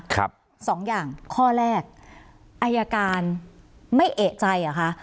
ครับสองอย่างข้อแรกอายการไม่เอกใจอ่ะคะ